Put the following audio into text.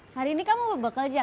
hari ini kamu bebek aja